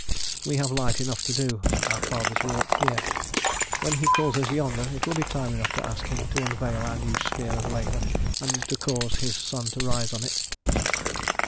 We have light enough to do our Father's work here; when he calls us yonder it will be time enough to ask Him to unveil our new sphere of labour and to cause His sun to rise on it.